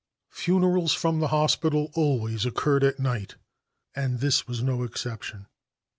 Funerals from the hospital always occurred at night, and this was no exception.